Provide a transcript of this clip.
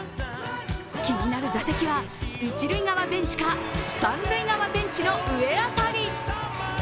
気になる座席は、一塁側ベンチか三塁側ベンチの上辺り。